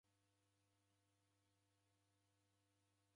Oenda mzinyi kwa w'abaa.